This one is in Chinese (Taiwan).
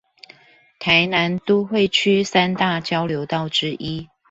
臺南都會區三大交流道之一